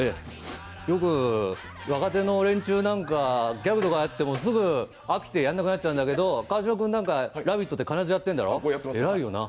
よく若手の連中なんかギャグとかやってもすぐ飽きてやんなくなっちゃうんだけど、川島君なんか、「ラヴィット！」で必ずやってるんだろう？偉いよな。